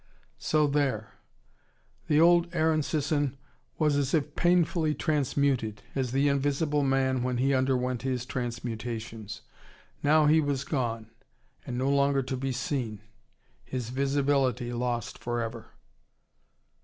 So there. The old Aaron Sisson was as if painfully transmuted, as the Invisible Man when he underwent his transmutations. Now he was gone, and no longer to be seen. His visibility lost for ever.